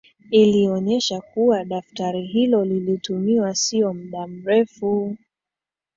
Ilionesha kuwa daftari hilo lilitumiwa sio muda mrefu